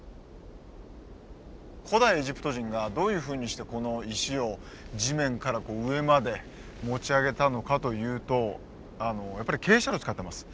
古代エジプト人がどういうふうにしてこの石を地面からこう上まで持ち上げたのかというとやっぱり傾斜路使ってます。